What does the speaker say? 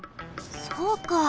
そうか！